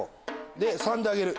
で３で上げる。